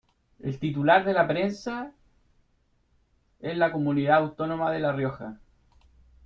El titular de la presa es la Comunidad Autónoma de La Rioja.